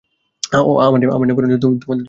আমার নেবার অঞ্জলি হবে দুজনের মনকে মিলিয়ে।